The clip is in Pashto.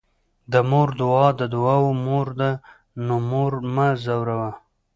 د مور دعاء د دعاوو مور ده، نو مور مه ځوروه